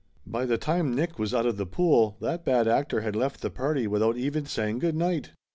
By the time Nick was out of the pool that bad actor had left the party without even say ing good night."